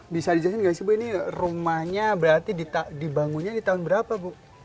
bisa dijelasin nggak sih bu ini rumahnya berarti dibangunnya di tahun berapa bu